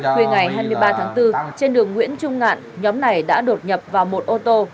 khuya ngày hai mươi ba tháng bốn trên đường nguyễn trung ngạn nhóm này đã đột nhập vào một ô tô